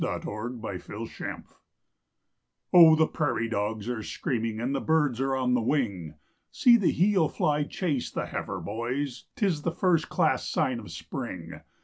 A COW CAMP ON THE RANGE Oh, the prairie dogs are screaming, And the birds are on the wing, See the heel fly chase the heifer, boys! 'Tis the first class sign of spring.